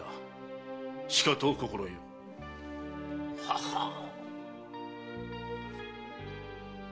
しかと心得よ。ははーっ。